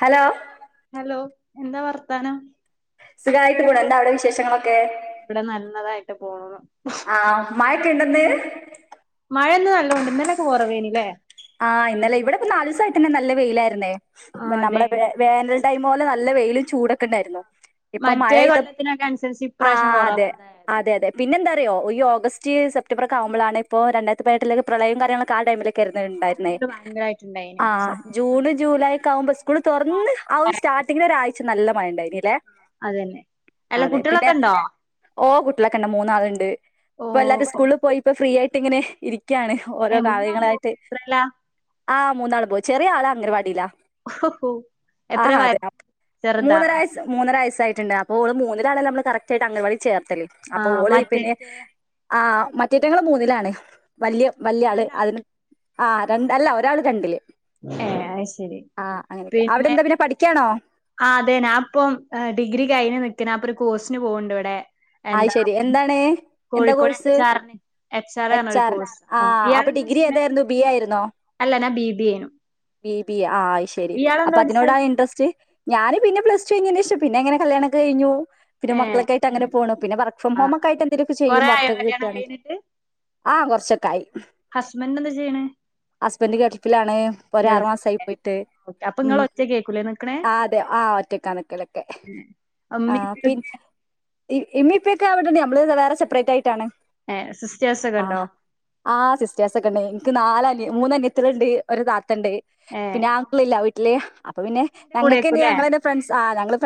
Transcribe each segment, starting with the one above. Hello hello എന്താ വർത്താനം സുഖമായിട്ട് പോൂണ എന്താ അവിടെ വിശേഷങ്ങളൊക്കെ ഇവിടെ നല്ലതായിട്ട് പോണു ആഹ് മഴൊക്കെ ഇണ്ടൊന്ന് മഴയന്ന് നല്ലോണ്ട് ഇന്നലൊക്കെ കുറവേനി ലേ ആഹ് ഇന്നലെ ഇവടെ നാ ലീ സായിട്ടന്നെ നല്ല വെയിലായിരുന്നേ ആ അതെ നമ്മളെ വേനൽ ടൈമോലെ നല്ല വെയിലും ചൂടൊക്കെ ഇണ്ടായിരുന്നു ഇപ്പൊ മറ്റേ മഴയ്ത പ്പ് കൊല്ലത്തിനൊക്കെ അനുസരിച്ച് ഇപ്രാവശ്യം ആഹ് കൊറവ അതെ എന്തായാലും അതെ അതെ പിന്നെന്താ ഹ്യോ ഓഗസ്റ്റ് സെപ്റ്റംബറൊ ക്കെകുമ്പളാണ് ഇപ്പോ രണ്ടാരത്തി പതിനെട്ടിലേക് പ്രളയം കാര്യങ്ങളൊക്കെ ആടൈമിലക്കെ ലെ ആ ഇണ്ടായിര്ന്നെ ടൈമില് ഭയങ്കരായിട്ടുണ്ടായിനു ആഹ് സത്യം ജൂൺ ജൂലൈക്കാവുമ്പോ സ്കൂൾ തൊറ്ന്ന് ആ ഒരു സ്റ്റാർട്ടി്ങ്ങിലൊരു ആഴ്ച്ച ച്ച്നല്ല മഴ ണ്ടായി അതന്നെ അല്ല കുട്ട്യേളൊക്കെ ഇണ്ടോ ഉട്ട്യേളൊക്കെണ്ട് മൂന്നാള് ഇണ്ട് ഇപ്പൊ എല്ലാരും സ്കൂള്ക്ക് പോയിപ്പം ഫ്രീ ആയി ഇങ്ങനെ ഇരി ഒക്കെയാണ് ഓരോ കാര്യങ്ങളായിട്ട് എത്രേല ആഹ് മൂന്നാൾ പോയി ചെറിയ ആളാ അംഗൻവാടില്ലാ ഓഹോ എത്ര വയസ്സ് ചെറുതാണോ ആയിട്ടണ്ട് അപ്പോൾ മൂന്നില് ആകുബോളനാണല്ലോ കറട്ടയിട്ട് അങ്കണവാടിയിൽ ചെർക്ക ആ അപ്പൊ ഓള മറ്റേ പിന്നെ ആഹ് മറ്റേറ്റങ്ങൾ മുന്നിലാണ് വല്യ വല്യ ആള് അതിന് ആഹ് രണ്ട് അല്ല ഒരാള് രണ്ടില് ഏ അത് ശരി ആഹ് അങ്ങനൊക്കെ അവിടെ എന്താ പിന്നെ പഠിക്കാണോ ആ അതെ ഞാ ഇപ്പം ഡിഗ്രി കഴിഞ് നിക്കാണ് ഇപ്പോ ഒരു കോഴ്സിന് പോണ് ഇണ്ട് ഇവിടെ അത് എന്താ ശരി എന്താണ് എന്താ കോഴിക്കോട് കോഴ്സ് എച്ച് ആറി എച്ച് എന്താ കോഴിക്കോട് ഇച് ആർ ഒരു കോഴ്സ് ആ അല്ല ഇയാൾ അപ്പൊ അതാ ഡിഗ്രി ചെയ്യണേ ഏതായിരുന്നു ബി എ അല്ല ഞാൻ ബി ബി എ ചെയ്യണേ ബീബിയ ആഹ് അയ് ശരി അപ്പൊ അതിനോടാണ് ഇൻട്രസ്റ്റ് ഞാന് പിന്നെ പ്ലസ്റ്റു [unintelligible] പിന്നെങ്ങനെ കല്യാണം കഴ്ഞ്ഞു പിന്നെ ഏഹ് മക്കൾക്കായിട്ട് അങ്ങനെ പോ പിന്നെ വർക്ക് ഫ്രം ആഹ് ഹോം ഒക്കെയിട്ട് എന്തെലൊക്കെ ചെയ്യും കൊറേ ആയോ വർക്കൊക്കെ കല്യാണം കിട്ടിയാൽ കഴിഞ്ഞിട്ട് ആഹ് കൊറച്ചൊക്ക ആയി ഹസ്ബൻഡ് എന്താ ചെയ്യണേ ഹസ്ബൻന്റെ ഗൾഫിലാണ് ഒരു ആറുമാസയി ഗൾഫിലല്ലേ പോയിട്ട് ഓക്കെ അപ്പൊ ഇങ്ങള് മ്മ് ഒറ്റക്കേക്കൂലേ നിക്കണേ ആഹ് അതെ ആഹ് ഒറ്റയ്ക്കാണ് നിക്കലൊക്കെ ആ ഉമ്മേം ഉപ്പേം പിന്നെ ഒക്കെ ആ ഇമ്മിപ്പോ ഇക്ക വന്നിട്ട് ഇണ്ട് ആ നമ്മള് വേറെ സപ്രേറ്റ് ആയിട്ടാണ് ഏഹ് സിസ്റ്റേഴ്സ് ഒക്കെ ഇണ്ടോ ആഹ് സിസ്റ്റേഴ്സ് ഒക്കെ ഇണ്ട് ഇൻക്ക് മൂന്ന് അനിയത്തികള്ണ്ട് ഒരു താ ണ്ട് ഏഹ് പിന്നെആങ്ങളില്ല വീട്ടില് അപ്പൊ പിന്നെ അവരൊക്കെ ഇന്റെ ഞങ്ങൾക്ക് കൂടെയേക്കൂല്ലേ ഞങ്ങള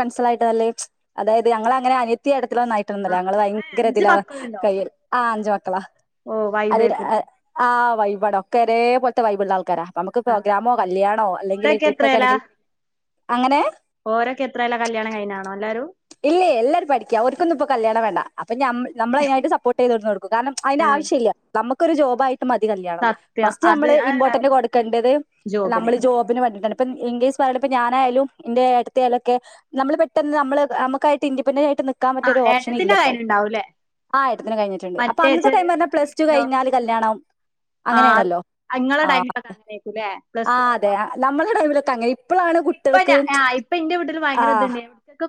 പേർസണൽ ആയിട്ട് [unintelligible] അതായത് ഞങ്ങളങ്ങനെ അ [unintelligible] ന്നായിട്ടന്നല്ലേ ആഹ് ഞങ്ങള് ആഹ് ഏഹ് ഭയങ്കര അഞ്ച് ഇതില മക്കളുണ്ടോ കയ്യിഞ അഞ്ചുമക്കള് അള്ളാ ഓഹ് അതെ വൈബേക്കൂല്ലേ ആഹ് വൈബ് ആട ഓക്കേ ഒരേപോലെത്തേ വൈബ് ഇള്ള ആൾക്കാരാ നമുക്ക് ആഹ് പ്രോഗ്രാമോ കല്യാണോ അല്ലെങ്കിൽ ഓരൊക്കെ ട്രിപ്പ് ഒക്കെ ആണെങ്കിൽ അങ്ങനെ ഓരോക്കെ എത്രേല കല്യാണം കഴിഞ്ഞാണോ എല്ലാരും അവര്ക്കൊന്നും ഇപ്പം കല്യാണം വേണ്ട അ അപ്പെ ഞമ്മ് നമ്മളതിനായിട്ട് സപ്പോർട്ട് ചെയ്തുതോന്നു കൊടുക്കും കാരണം അതിന്റെ ആവശ്യഇല്ല നമ്മക്ക് ക്കൊരു ജോബായ് ത് മതി കല്യാണം സത്യം ഫസ്റ്റ് അത് നമ്മള് അത് ഇമ്പോർട്ടന്റ് കൊടുക്കേണ്ടത് ജോബിന് നമ്മള് ജോബിന് വേണ്ടിട്ടണ് ഇ ഇപ്പം ഇൻകേസ് പറയണിപ്പ ഞാനായാലും ഇന്റെ ഏട്ടത്തിയാലൊക്കെ നമ്മള് പെട്ടെന്ന് നമ്മള് നമുക്കായിട്ട് ഇൻിപെൻന്ററ് ആയിട്ട് നിക്ക് ആഹ് ഏട്ടത്തിന്റെ കാര്യം ഉണ്ടാവൂല്ലേ അതിന് കഴിഞ്ഞിട്ടുണ്ട് അപ്പൊ അന്നത്തെ ടൈം ന്ന് പറഞ്ഞ പ്ലസ് ടു കഴിഞ്ഞാല് കല്യാണം ആഹ് അങ്ങനെയാണല്ലോ ഇങ്ങളെ ടൈമിലൊക്കെ ആഹ് അങ്ങനെയായിരിക്കുംല്ലേ പ്ലസ് ആ ടു അതെ നമ്മളുടെ ടൈമിലൊക്കെ അങ്ങനെ ഇപ്പളാണ് ഇപ്പൊ ഞാ കുട്ടികൾക്ക് ആഹ്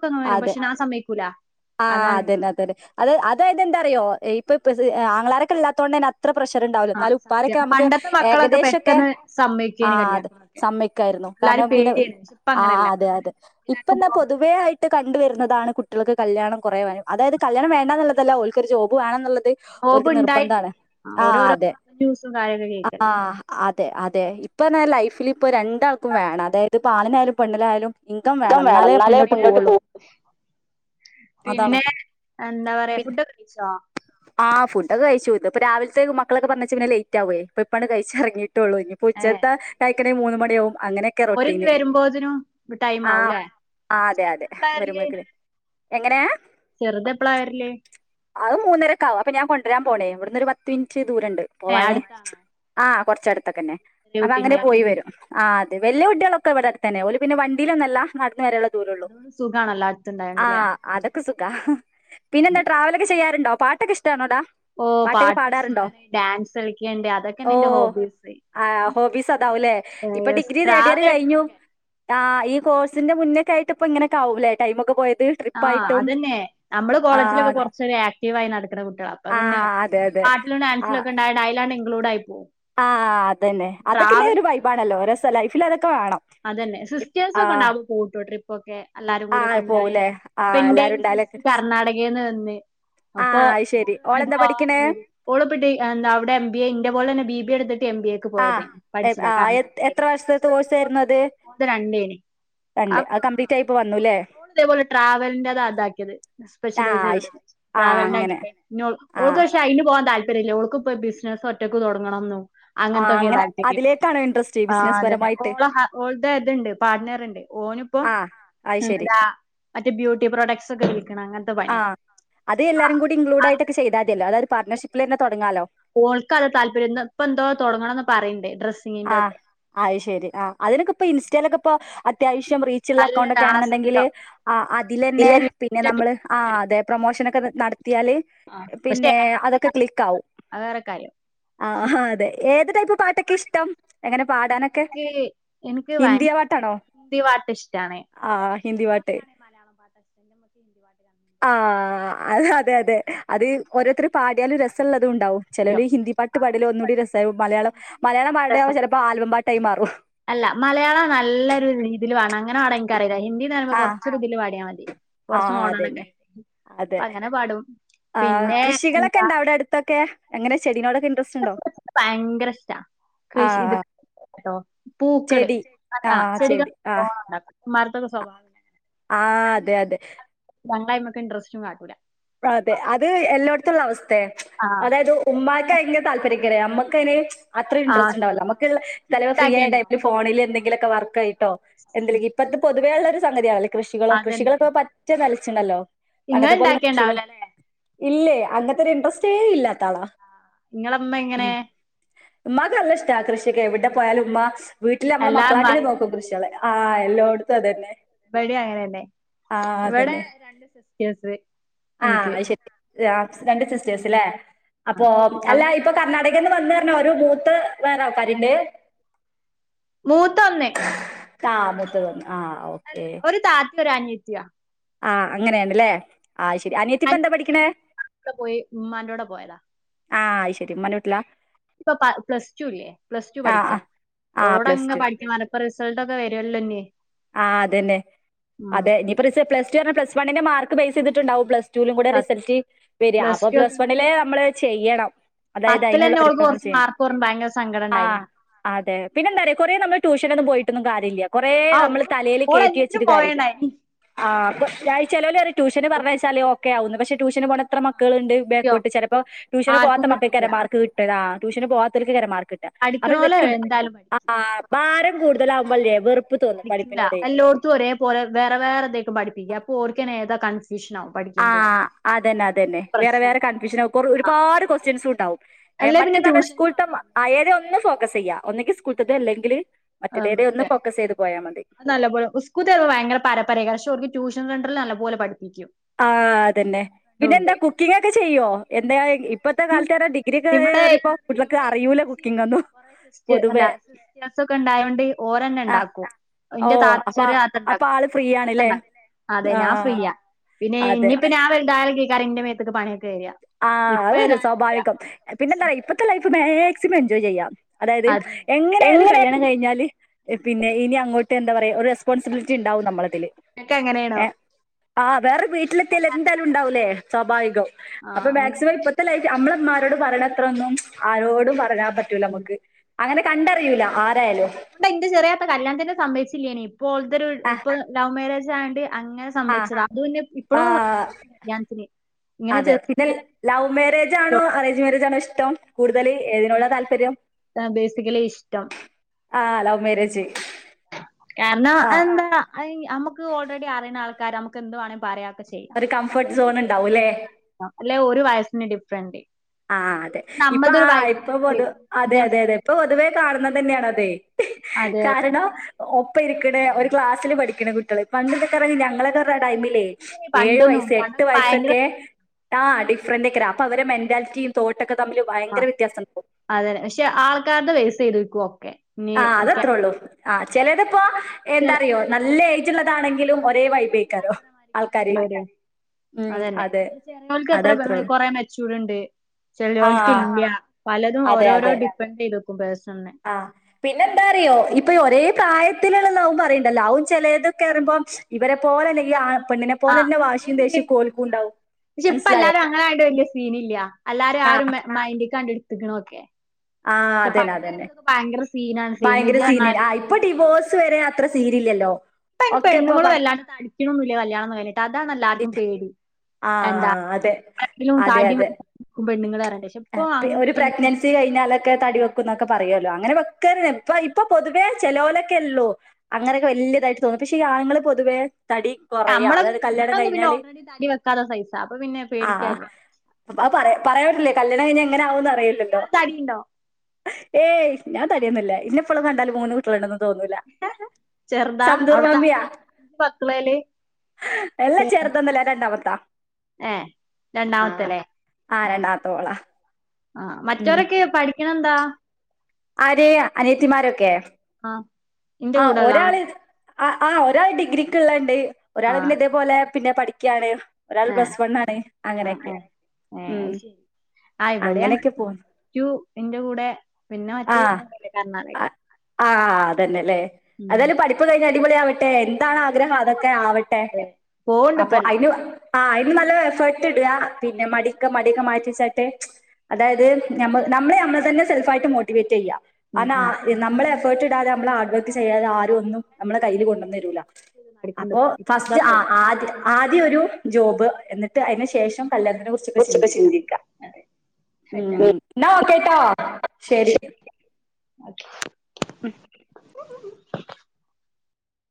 ക്ക് ങ്ങ് വരും പക്ഷെനെ ആ സമയ ഇക്കൂല ആഹ് അതന്നെ അതന്നെ അത് അതായതെന്താറിയോ ഈപ് ഇപ്പ പെസ ആങ്ങളാരക്കില്ലാത്തൊണ്ട് നാ അത്ര പ്രഷർ ഉണ്ടാവില്ല ആഹ് എന്നാലും ഉപ്പാരൊക്കെ സത്യം നമുക്ക് പണ്ടത്തെ മക്കളൊക്കെ ഏകദേശം ഒക്കെ പെട്ടെന്ന് സമ്മയിക്കേനി ആഹ് അതെ കല്യാണത്തിനൊക്കെ സമ്മയ്ക്കാരുന്നു എല്ലാരും കാരണം പിന്നെ പേടിയാണ് പക്ഷെ ഇപ്പ ആഹ് അങ്ങനെയല്ല അതെ അതെ എല്ലാർക്കും ഇപ്പന്നാ പൊതുവേ ആയിട്ട് കണ്ട്വരുന്നതാണ് കുട്ട് ട്ടെളക് കല്യാണം കുറേവേണം അതായത് കല്യാണം വേണ്ടാന്നുള്ളതല്ല ഓല്ക്കൊരു ജോബ് വേണം എന്നുള്ളത് ത് ജോബ് ഒര്ക്ക് ഇണ്ടായിട്ട് നിർബന്ധാണ് ആഹ് ഓരോരോ അതെ ന്യൂസും കാര്യൊക്കെ കേൾക്കല്ലേ ആഹ് അത് തെ അതെ ഇപ്പ എന്നാ ലൈഫില് ഇപ്പോ രണ്ടാൾക്കും വേണം അതായത് പ്പ ആണിനായാലും പെണ്ണിലായാലും ഇങ്കം വേണം എന്നാലേ മുന്നോട്ട് പോകു അതാണ് പിന്നെ എന്താ പിന്നെ പറയാ ഫുഡ് ഒക്ക കഴിച്ചോ ആഹ് ഫുഡൊക്കെഴിച്ചു ഇത് ഇപ്പ രാവിലത്തേ മക്കളെക്കെ പറഞയച്ച പിന്ന ലേറ്റ് ആവ്വേ അപ്പ ഇപ്പാണ് കയ്ച്ച് എറങ്ങി ട്ടുള്ളൂ ഇനിപ്പോ ഉച്ചത്തെ കയ്ക്കണെ മൂന്ന് മണി പ്യോമ ഓരന്ന് വരുമ്പോത്തിനും ടൈം ആഹ് ആവൂല്ലേ ആഹ് അതെ അതെ ചെറുതെപ്ലാളാരില് വരുമ്പോഴേക്കിന് എങ്ങനെ ചെറുത് എപ്ലാ വര്ല് അത് മൂന്നരക്കാവും അപ്പൊ ഞാൻ കൊണ്ടുവരാ പോണേ ഇവിട്ന്ന് ഒരു പത്ത് മിനിറ്റ് റ്റ് ദൂരണ്ട് ഏ പോവാന് അടുത്താണോ ആഹ് കുറ ച്ചടുത്തക്കന്നെ ചെറിയ അതങ്ങനെ കുട്ടീന്റെ പോയി വരും ആഹ് അത് വല്യ കുട്ടികളൊക്കെ ഇവിടടുതന്നെ ഓല് പിന്നെ വണ്ടിലൊന്നല്ല നടന്ന് വരാള്ള അതുകൊണ്ട് സുഖാണല്ലാ അട് ത്തത് ആഹ് അതൊക് ക്ക് സുഖ പിന്നെ എന്താ ട്രാവലൊക്കെ ചെയ്യാറുണ്ടോ പാട്ടെക്കേ ഇഷ് ഷ്ണോടാ ഓ പാട്ടൊക്കെ പാട്ട് പാടാറെണ്ടോ ഇഷ്ടാണ് ഡാൻസ് കളിക്കണ്ട് ഓ അതൊക്കെന്നെ എന്റെ ഹോബീസ് ആ ഹോബീസ് ഉണ്ടാവുല്ലേ ഇപ്പം ഡിഗ്രി തെടിയറ് ട്രാവൽ കയിഞ്ഞു എടുക്കൊക്കെ ആ ഇ കോഴ്സിന്റെ മുന്നേക്കെ ആയിട്ട് ഇപ്പം ഇങ്ങനെക്കെ ആവുല്ലേ ടൈ പോയത് ആ അത് തന്നെ നമ്മള് ആ കോളേജിലൊക്കെ അതെ കൊറച്ച് ആക്റ്റീവായി നടക്ക്ണ കുട്ടിളാ അപ്പം ആ പിന്നെ അതെ അതെ പാട്ടിലും ആ ഡാൻസിലൊക്കെ ഒണ്ടായ അയ്ലാണ് ഇൻ ളുടായിപ്പോം ആ അത് തന്നെ അതൊക്കെയെന്നെ ഒര് വൈബാണാല്ലോ ഒരെസാ ലൈഫില് അതൊക്കെ വേണം അത് തന്നെ സിസ്റ്റേഴ്സ് ആ ഒക്കെ ഒണ്ടാവ് കൂട്ടുണ്ട് ട്രിപ്പ് ഒക്കെ എല്ലാരും ആ കൂടി ഒക്കെ പോവൂലേ ഒണ്ടായല് ആ ഇൻ്റെ എല്ലാരും ഉണ്ടായാലൊക്കെ രസ കർണാടകെന്ന് വന്നെ ആ അപ്പൊ അത് ശരി ഓളെന്താ പഠിക്കണേ [unintelligible] ഓള് ടെ എവടെ എം ബി എ ഇൻ്റെ പോലെ തന്നെ ബി ബി എ എട്ത്ത ആ എ ആ ആ എത്ര വർഷത്തെ കോഴ്സാര്ന്നു അത് ഒത് രണ്ട്നി രണ്ട് ആ അത് കംപ്ലീറ്റ് ആയിപ്പോ വന്നുല്ലേ ഇതെപോലെ ട്രാവലിൻ്റെ അതാക്കിയത് ആ സ്പെഷ്യലൈസ് അത് ചെയ്ത ശരി ആ ട്രാവലിന്റെ അങ്ങനെ അകിട്ട് ആ ഓൾക്ക് പശെ അയിന് പോവാൻ താല് ല്ലാ ഓൾക്ക് ഇപ്പം ബിസ്നസ്സ് ഒറ്റക്ക് തൊടങ്ങണം ആ അങ്ങനെ അതിലേക്കാണ് ഇൻട്രസ്റ്റ് ബിസിനസ് പരമായിട്ട് ഇത് അതോണ്ട് പാർട്നാർ ഒണ്ട് ഓനി ഇപ്പോ ആ അത് ശരി എന്താ മറ്റേ ബ്യൂട്ടി പ്രോഡക്ട്സ് ഒക്കെ വിൽക്കണാ അങ്ങനെ ആ അത് എല്ലാരും കൂടി ഇൻക്ലൂഡ് ആയിട്ടെക്കെ ചെയ്താ അതില്ലോ അതാ പാർണഷപ്പില് തന്നെ തൊടങ്ങാലോ ഓൾക്കാതാ താല്പര്യം ഇന്ന് ഇപ്പം എന്തോ തൊടങ്ങണന്ന് പറ ഇണ്ട് ആ അയ് ശെരി ആ അതിനൊക്കെ ഇപ്പം ഇൻസ്റ്റയിലെക്കെ ഇപ്പോ അത്യാവാശ് റിച്ചയൊള്ളാ നല്ലതാ അക്കൗണ്ടോക്കെ ആ ആണോന്നോണ്ടാങ്കില് സത്യം ആ അതില് തന്നെ പിന്നെ നമ്മള് ആ അതെ പ്രോമോഷാനൊക്കേ അത് നടത്തിയാല് പക്ഷെ പിന്നെ അതൊക്കേ ക്ലിക്ക് ആവും അത് വേറെ കാര്യം ആ ആ അതെ ഏത് ഇപ്പോതെ പാട്ടൊക്കേ ഇഷ് ടം എങ്ങനെ പാടാനൊക്കെ എനിക്ക് എനിക്ക് ഭയ ഹിന്ദിയാ പാട്ടാണോ ഹിന്ദി പാട്ട് ഇഷ്ടാണ് ആ എന്റെ ഹിന്ദി പാട്ട് ഉമ്മാക്കാണെ മലയാളം പാട്ടാ ഇഷ്ടം എന്റെ ഉമ്മക്ക് ഹിന്ദി പാട്ട് കണ്ടു ആ തരാം. അതെ അതെ അത് ഓരോര്ത്താരും പാടിയാലും രെ [unintelligible] ഉണ്ടാവും ചെലല് ഹിന്ദി പാട്ട് പാട്ലോ ഒന്നൂടി രെസായും മലയാളം മലയാളം പാ ട്ടാണോ അല്ല മലയാളം നല്ലൊരു രീതില് വേണം അങ്ങനെ തുടങ്ങിഎനിക്കറിയ ഹിന്ദിന്ന് പറയ്മ്പോ ആഹ് കൊറച്ച് ഇതില് പാടിയാ മതി കൊറച്ച് ആഹ് മോഡേണൊക്കെ അതന്നെ ആയി അതെ അങ്ങനെ പാടും ആഹ് പിന്നെ കൃഷികളൊക്കെ എന്താ ഇണ്ടോ അവിടെ അടുത്തൊക്കെ എങ്ങനെ ചെടിനോടൊക്കെ ഇന്റെരെസ്റ്റ്‌ ഉണ്ടോ ഭയങ്കര്ഷ്ട്ടാ കൃഷിത് ട്ടോ പൂക്കള് ചെടി ആ ആഹ് ചെടികൾ ചെടി ആഹ് [unintelligible] ഉമ്മാരത്തൊക്കെ സ്വർണം ആഹ് അതെ അതെ [unintelligible] ഇന്റെരെസ്റ്റ്‌ കാട്ടൂല അതെ അപ്പൊ അത് എല്ലാടുത്തും ഉള്ള അവസ്ഥയാ ആ അതായത് ഉമ്മാക്ക് ആയിരിക്കും താല്പര്യം ഗരയമ്മക്കയ്ന് അത്ര ആ ഇൻട്രസ്റ്റ് ഉണ്ടാവില്ല സത്യം ഇങ്ങള് നമുക്ക് [unintelligible] ഫ്രീയായ ഇണ്ടാക്കേണ്ടോ ടൈമില് ഫോണില് എന്തെങ്കിലും ക്ക വർക്കയ് ട്ടോ എന്ത ലെങ്കി ഇപ്പത്തെ പൊ [unintelligible] ഉള്ളൊരു സംഗതിയാവുല്ലേ കൃഷികളോ കൃഷികളൊക്കെ പറ്റെ [unintelligible] ച്ച് ല്ലല്ലോ ഇങ്ങള്ണ്ടാക്ക്‌യെ ഇണ്ടാവൂല ല്ലേ ഇല്ലേ അങ്ങൻത്തൊരു ഇൻട്രസ്റ്റേ ഇല്ലാത്താളാ ആ ഇങ്ങളമ്മ ങ്ങനെ ഉമ്മാക്ക് നല്ല ഇഷ്ടാ കൃഷിയൊക്കെ എവിടെ പോയാലും ഉമ്മ വീട്ട്ല് അമ്മളെ എല്ലാ മക്കളാട്ടിലും ഇമ്മാരും നോക്കും കൃഷെളെ ആ എല്ലോട്ത്ത തെന്നെ ഇബടി അങ്ങനെന്നെ ഇവടെ അതന്നെ രണ്ട് സിസ്റ്റേഴ്സ് ആ എനിക്ക് അഅ് ശെരി [unintelligible] രണ്ട്സിസ്റ്റേഴ്സ് ലെ ആ അപ്പോ അല്ല അവര് ഇപ്പൊ ഇതേപോലെ കർണാടകേന്ന് വന്നേർണ ഒരു മൂ ത്ത് വേറാൾക്കാര്ണ്ട് മൂത്തൊന്നെയ് കാ മൂത്തതൊന്ന് അൽ ഒരു താത്തൊരനിയത്ത്യാ ആഹ അങ്ങനെണ്ല്ലേ അയ് ശെരി അനിയത്തിപ്പ എന്താ പഠിക്കണ് അനിയത്തി പോയി ഉമ്മാന്റെ കൂടെ പോയതാ ആ അയ്ശരി ഉമ്മാന്റെ വീട്ട്ലാ ഇപ്പൊ പ പ്ലസ് ടു ല്ലേ പ്ലസ് ടു ആ പഠിക്ക ആ ആ ഓളോടങ പ്ലസ് പഠിക്കാൻ പറ റിസൾട്ടൊക്കെ വെരൊല്ലോഇനി ആഹ് അതന്നെ അതെ ഞ്ഞ് പറ പ്ലസ് ടു പ്ല വണ്ണിന്റെ മാർക്ക് ബേയ്സ യ്തിട്ടുണ്ടാവും പ്ലസ് റ്റു വിലും കൂടെ റിസൽറ്റ് വര അപ്പം ടു ഒക്കെ പ്ലസ് ഇനി വണ്ണിലെ എടുക്കണം. നമ്മൾ ചെയ്യണം അതായത് പത്തിൽ അയ്ന്ള്ള തന്നെ ഓൾക്ക് ഒരുക്കങ്ങൾ കുറച്ച് ചെയ്യണം മാർക്ക് പറഞ്ഞു ഭയങ്കര സങ്കടം ഉണ്ടായിനി ആഹ് അതെ പിന്നെ എന്താ റ്യോ കൊറേ നമ്മൾ ട്യൂഷൻ [unintelligible] ന്ന് പോയിട്ടൊന്നു കാര്യല്ല കൊറേ ആ നമ്മൾ ഓള് ത ലേൽ ഓള് കേറ്റി എല്ലാത്തിനും വെച്ചി്ട്ട് കാര്യല്ല പോയണ്ടായിനി ആ ചെലോലറിം ട്യൂഷന് പറഞ്ഞയച്ചാലൊ ക്കെ ആവും പക്ഷെ ട്യൂഷന് പോണ എത്ര ആ, മക്കൾണ്ട സത്യം ബേക്കോട്ട് ചെലപ്പം ട്യൂഷന് ആർക്കും പോവാത്ത മക്കളേക്കാരം കിട്ടിയില്ല മാർക്ക് കിട്ട്കാ ട്യൂഷന് പോവാത്തോൽക്കേ ക്കാരം മാ കരമാർക്കിട്ട അപ്പൊ പഠിക്കണോലെ ഇവർക്ക് എന്തായാലും പഠിക്കും അഹ് ആഹ് ഭാരം കൂടുതലാവുമ്പല്ലെ അല്ലേ വെറുപ്പ പഠിക്കില്ല എല്ലോട്ത്തും ഒരേ പോലെ വേറെ വേറെ ഇതെക്കും പഠിപ്പിക്ക കോർക്കനേതാ കൺസ് ആഹ് അതന്നെ അതന്നെ അങ്ങനത്തെ വേറെ വേറെ പ്രശ്നണ്ട് കൺഫ്യൂഷനാവും ആ ഒരുപാട് കൊസ്റ്റ്യൻസു ഉണ്ടാവും എ അല്ലേ മറ്റേ പിന്നെ തറ്ഞ്ഞ ട്യൂഷൻ സ്കൂള്ത്തെ ഏതെ ഒന്ന് ക്കസയ്യാം [unintelligible] ആടുത്തെ ഒന്ന് ഫോക്കസെയ്ത് പോയാ മതി അ നല്ല പോലെ ഉസ്കൂത്തെ ഭയങ്കര പരപ്പ രേക്കാര ടൂഷൻ സെന്ററിൽല്ല പോലെ പഠി ആഹ് അതന്നെ പിന്നെ എന്താ കുക്കിം ഗൊക്കെ ചെയ്യോ എന്ത് [unintelligible] യി ഇവിടെയ് കുട്ടികൾക്ക് അറിയൂല ഇമ്മച്ചിം കുക്കിംഗ് ഒന്നും കൊറേ സിസ്റ്റ അല്ല പൊതുവേ സിസ്റ്റേഴസൊക്കെ ഇണ്ടാേയാണ്ട് ഓരന്നെ ആഹ് ഉണ്ടാക്കും ഓ ഇന്റെ അപ്പ താച്ചര്ചെറ്യേ അപ്പൊ ആള് ഫ്രീ ആണ്ല്ലേ ത്താത്തണ്ടാക്കും അതെ ഞാൻ ആഹ് ഫ്രീയ പിന്നെ അതെ ഇഞ്പ്പം ഞാവൽ [unintelligible] ഇന്റ മേത്ത്ക്ക് പണിയൊക്കെ വര ആഹ് അത് വരും സ്വാഭാവികം പിന്നെന്താ വ ഇപ്പത്തെ ലൈഫ് വേഗം മാക്സിമംഎൻജോയ് ചെയ്യാം അതായത് അതന്നെ എങ്ങനൊയാലും കല്യാണം കഴിഞ്ഞാല് പിന്നെ ഇനി അങ്ങോട്ട് എന്താ പറയാ ഒരു റെസ്പോൺസിബിലിറ്റി ഉണ്ടാവും നമ്മളതി ഇങ്ങക്ക് എങ്ങനേണോ ഏ ആഹ് വേറെ വീിലത്തിയാലേ എന്തായാലും ഉണ്ടാവൂലേ സ്വാഭാവികം അപ്പൊ ആഹ് മൂന്ന് മാക്സിമം ഇപ്പത്ത മക്കളാ ലൈഫ് നമ്മളെമ്മാര് ആോട് പറഞ്ഞടത്രൊന്നും ആരോടും പറയാൻ പറ്റൂല നമുക്ക് അങ്ങനെ കണ്ടറിയിൂലആ അതുകൊണ്ട് എൻ്റെചെറിയാ ഇത്തകല്യാണത്തിന് സമ്മതിച്ചില്ലായ്രുന്ന് ഇപ്പോൾത്തെൊരു ഇപ്പൊ ലവ് മാരേജ് സാണ്ട് ആ ആ കല്യാണത്തിന് ഇങ്ങനെ അതെ ജസ്റ്റ് പിന്നെ ലവ് മാരേജ് ആണോ അറേഞ്ച് മാരേജ് ആണോ ഇഷ ത്തം കൂടുതൽ ഏതിനുള്ള താല്പര്യം ഇങ്ങനെ ബേസിക്കലി ഇഷ്ടം ആഹ് ലവ് മേരേജ് കാരണം എന്താ നമുക്ക് ഓൾറെഡി അറുയുന്ന ആൾക്കാ ക്കെ നമക്ക് എന്ത് വേും പറയാം ഒരു കംഫർട്ട് സോൺ ഉണ്ടാവൂല്ലേ അല്ല വയസ്സിന് ഡിഫറെൻസ് ഫ്രണ്ട് ആ അതെ ഇപ്പ ആ ഇപ്പൊ പൊതുവ വരും അതെ അതെ ജെൻസി അതെ ഇപ്പൊ പൊതുവേ കാണുന്നത് തന്നെയാണ് അതെ അതെ കാരണം ഇ ഇരിക്കണേ ഒരു ക്ലാസിൽ പഠിക്കണ കുട്ടികൾ ഇപ്പൊക്കെ ഇറ ഞങ്ങളൊക്കെ മ്മടെ ടൈമിലേ അതെ ഏഴു പണ്ടൊന്നും വയസ് എട്ട് പണ്ടൊക്കെ ഭയങ്കര വയസ്സൊക്കെ ആഹ ഡിഫൻറക്ക അപ്പൊ അവരെ മെന്റാലിറ്റി ോ ആ അതന്നെ പക്ഷെ ആൾക്കാരുടെ പൈസ ചെയ്തു ഓക്കെ ആഹ അത് അത്ത്രേ ഉള്ളൂ ആഹ ചിലതിപ്പോ എന്താറിയോ നല്ല ചുള്ളതാണെങ്കിലും ദ്ാത്ത ഉം അതന്നെ അതെ ഇ ചെോക്ക് എത്ര അതത്രേ ഉള്ളൂ കൊറെ മെച്ചൂടുണ്ട് ആ ചെല്ലിയോൾക്ക് ഇല്ല പലതും ഓരോരോ ഡിപ്പെെഡറ് ചെയ്തുും ബസ് ആഹ പിന്നെ എന്താ അറിയോ ഇപ്പൊ ഒരേ പ്രായത്തി ത്തിലുള്ളും പറയണ്ടല്ലോ അവും ചിലതൊക്കെറുമ്പോ ഇവരെ പോലെയല്ലേ ഈ പെണ്ണിനെ ആ പോലെ തന്നെ വാശിയും അതെ ദേശിയ കോൽക്ക ഉണ്ടാവും പക്ഷെ ഇപ്പ മനസ്സിലായോ എല്ലാരും അങ്ങനായോണ്ട് വല്യ സീനില്ല അല്ലാരും ആരും മൈന്ഡിൽ കണ്ടി എ ഗണോക്കെ ആ അതന്നെ അതന്നെ സീനാണ് ഭയങ്കര സേമേജ് സീന പറഞ്ഞാല് ആ ഇപ്പൊ ഡിവോഴ്സ് വരെ അത്ര സീരില്ലല്ലോ ഇപ്പന് പെണ്ണുൾ വല്ലാണ്ട് തടിക്കണന്നില്ല കല്യാണം എന്ന് പറഞ്ഞിട്ട് അതാല്ലാവർക്കും പേടി എന്താ ആഹ അതെ അതെ അതെ പെണ്ണുങ്ങളറെ ഒരു പ്രഗ്നൻസി കഴിഞ്ഞാൽ ക്കെ തടി വെക്ക എന്നൊക്കെ പറയല്ലോ അങ്ങനെ വെക്ക ഇപ്പൊ പൊതുവേ ചെലൊക്കെല്ലോ അങ്ങനെയൊക്കെ വലിയതായിട്ട് തോന്നി പക്ഷെ ഈ ആണുങ്ങൾ പൊതുവേ തടി കൊറയാ നമ്മളൊക്കെ അതായത് പിന്നെ കല്യാണം ഞാനൊന്നും പിന്നെ കഴിഞ്ഞാല് ഓൾറെഡി തടി വെക്കാത്ത സൈസാ അപ്പൊ പിന്നെ ആ പേടിക്കാനില്ല ആ പറയാ പറയാൻ പറ്റില്ല കല്യാണംഴി ഞ്ഞാൽ ഇങ്ങനെകുന്ന കഴില്ലല്ലോ ഇയാള് തടിണ്ടോ ഏയ് ഞാൻ തടിയുന്നില്ല ഇന്ന എപ്പോളം കണ്ടാലും മൂന്ന് കുട്ടിളുണ്ട ചെറുതാ തോന്നൂലസന്തൂർ അവിടുത്തെ അഞ്ച് മമ്മിയാ മക്കളേല് എല്ലാം ചേർുതന്നില്ലേ രണ്ടാമത്താ ഏ ആ രണ്ടാമത്തല്ലേ ആ രണ്ടാമത്തെ ഓളാ ആ മറ്റവരൊക്കെ പഠിക്കണെന്താ ആര്അനയതിിമാരൊക്കെ ആഹ എന്റെ കൂടെള്ള ആ ആ ഒരാ ഡിഗ്രിക്കള്ളാണ്ട് ഒരാൾ പിന്നെ ഇതേപോലെ പിന്നെ പഠിക്ക ഒക്കെയാണ് ആ ആ ആ ഉം ശരി ഇവിടെ അങ്ങനെയൊക്കെ പോകുന്നു അറ്റു എന്റെ കൂടെ പിന്നെ ആ വ കർണാടകെല് ആ- ആ.. അതന്നെയല്ലേ അതാലും പഠിപ്പുകഴിഞ്ഞ് അടിപൊളിയാവട്ടെ എന്താണ്ആഗ്രഹം അത് ഒക്കെയാവട്ടെ പോവ്ണ്ട് ഇപ്പ അപ്പൊ അതിന് ആ, ഇതു നല്ലഎഫേർട്ട് ഇടുക. പിന്നെ മടിക്ക മടിയൊക്കെ മാറ്റി വച്ചാട്ടെ അതായത് നമ്മ നമ്മളുനമ്മളെ തന്നെ സെൽഫായിട്ട് മോട്ടി മോട്ടിവേറ്റ് ചെയ്ക. ആ.. ഉം നാ. ഉം നമ്മളെ ഫട്ടി [inaudible] െ [unintelligible] മ്മ ഹാർഡ് വർക്ക് ചെയ്യാതെ ആരും ഒന്നും നമ്മെളെ കയ്യി ല് കൊണ്ടന്ന് രൂലാ മടിക്ക്ണ്ട് അപ്പോ ഇപ്പൊ ഇപ്പതാ ഫസ്റ്റ് ആ ആ ആ ദ്യൊ രു ജോബ് എന്നിട്ട് അയ്നു ശേഷം കല്യാണത്തിനെ കുറിച്ചൊക്കെ ചിന്തിക്കാ ഉ സെറ്റാക്കിയത് ന്നാ ഒക്കെ ട്ടോ ശരി ഉം